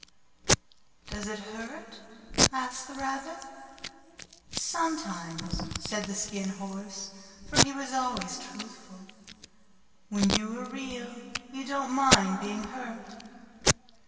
"Does it hurt?" asked the Rabbit. "Sometimes," said the Skin Horse, for he was always truthful. "When you are Real you don't mind being hurt."